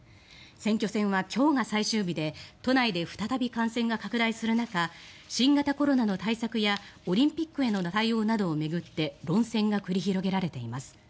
選挙戦は今日が最終日で都内で再び感染が拡大する中新型コロナの対策やオリンピックへの対応などを巡って論戦が繰り広げられています。